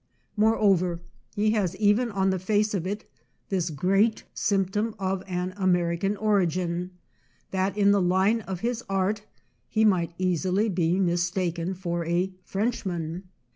Moreover, he has even on the face of it this great symptom of an American origin, that in the line of his art he might easily be mis taken for a Frenchman.